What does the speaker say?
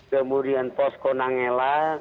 kemudian posko nangela